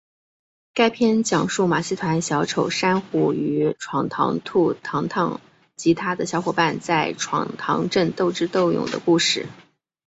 该片讲述马戏团小丑珊瑚与闯堂兔堂堂及他的伙伴们在闯堂镇斗智斗勇的故事。